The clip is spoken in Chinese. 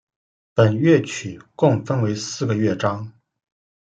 本乐曲共分为四个乐章。